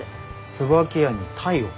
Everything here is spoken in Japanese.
椿屋に鯛を？